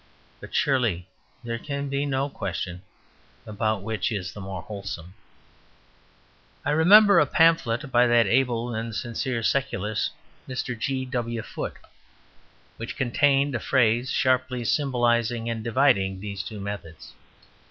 But surely there can be no question about which is the more wholesome. I remember a pamphlet by that able and sincere secularist, Mr. G. W. Foote, which contained a phrase sharply symbolizing and dividing these two methods.